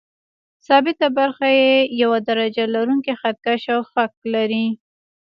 ثابته برخه یې یو درجه لرونکی خط کش او فک لري.